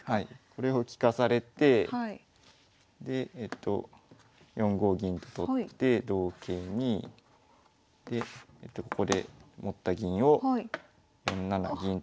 これを利かされてでえっと４五銀と取って同桂にでここで持った銀を４七銀と。